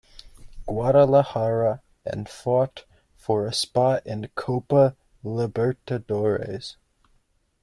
Guadalajara and fought for a spot in Copa Libertadores.